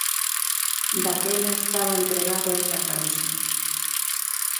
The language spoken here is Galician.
Daquela estaba entregado a esa causa.